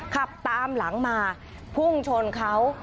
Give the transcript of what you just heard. ขับตามหลังมาพุ่งชนเขา